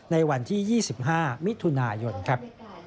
ในวันที่๒๕มิถุนายนครับ